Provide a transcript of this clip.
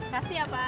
kasih ya pak